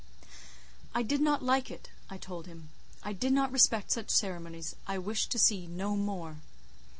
"I did not like it," I told him; "I did not respect such ceremonies; I wished to see no more."